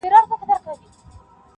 مخامخ په آیینه کي-